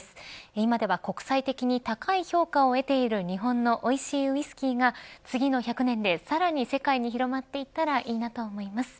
今では国際的に高い評価を得ている日本のおいしいウイスキーが次の１００年でさらに世界に広まっていったらいいなと思います。